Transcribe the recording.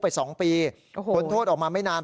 ไป๒ปีพ้นโทษออกมาไม่นาน